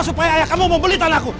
supaya ayah kamu mau beli tanahku